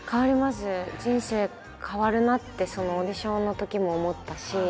人生変わるなってオーディションのときも思ったし。